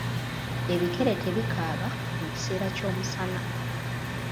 Ebikere tebikaaba mu kiseera ky’omusana.